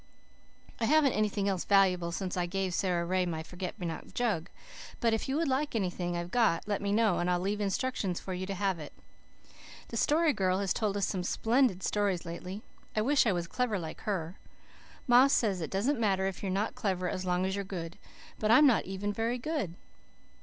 I haven't anything else valuable, since I gave Sara Ray my forget me not jug, but if you would like anything I've got let me know and I'll leave instructions for you to have it. The Story Girl has told us some splendid stories lately. I wish I was clever like her. Ma says it doesn't matter if you're not clever as long as you are good, but I am not even very good.